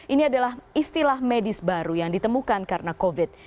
ini adalah istilah medis baru yang ditemukan karena covid